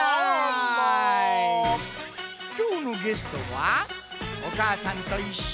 きょうのゲストは「おかあさんといっしょ」